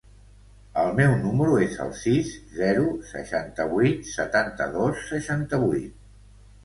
El meu número es el sis, zero, seixanta-vuit, setanta-dos, seixanta-vuit.